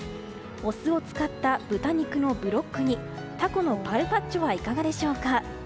お酢を使った豚肉のブロック煮タコのカルパッチョはいかがでしょうか。